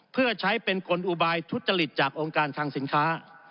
เพื่อใช้เป็นคนอุบายทุจริตจากองค์การทางสินค้า